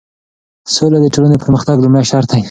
سوله د ټولنې د پرمختګ لومړی شرط دی.